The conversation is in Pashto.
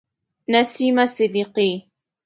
نسیمه صدیقی